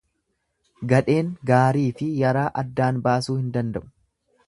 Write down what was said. Gadheen gaariifi yaraa addaan baasuu hin danda'u.